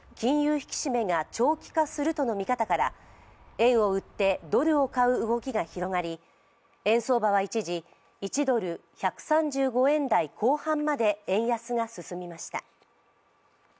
引き締めが長期化するとの見方から、円を売ってドルを買う動きが広がり円相場は一時１ドル＝１３５円台後半まで円安が進みました。